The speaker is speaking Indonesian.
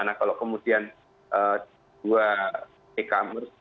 nah kalau kemudian dua e commerce